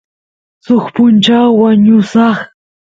suk punchaw wañusaq